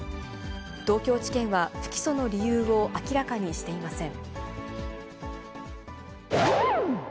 東京地検は不起訴の理由を明らかにしていません。